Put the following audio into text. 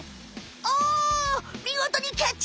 おみごとにキャッチ！